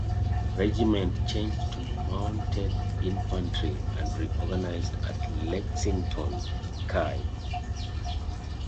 Regiment changed to mounted infantry and reorganized at Lexington, Ky.